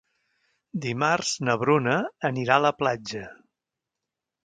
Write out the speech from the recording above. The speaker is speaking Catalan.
Dimarts na Bruna anirà a la platja.